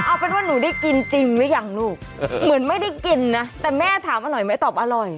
เอาเป็นว่าหนูได้กินจริงหรือยังลูกเหมือนไม่ได้กินนะแต่แม่ถามอร่อยไหมตอบอร่อย